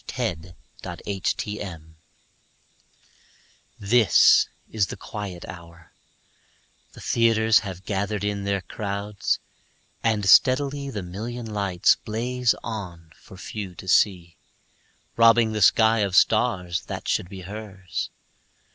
Sara Teasdale Broadway THIS is the quiet hour; the theaters Have gathered in their crowds, and steadily The million lights blaze on for few to see, Robbing the sky of stars that should be hers.